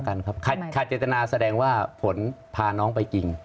ขาดเจตนาแสดงว่าผลพาน้องไปจริง